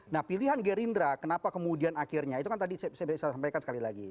nah pilihan gerindra kenapa kemudian akhirnya itu kan tadi saya sampaikan sekali lagi